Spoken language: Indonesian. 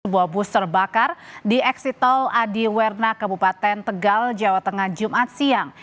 sebuah bus terbakar di eksit tol adiwerna kebupaten tegal jawa tengah jumat siang